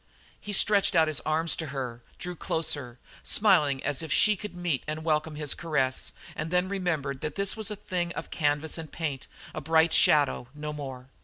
He stretched out his arms to her, drew closer, smiling as if she could meet and welcome his caress, and then remembered that this was a thing of canvas and paint a bright shadow; no more.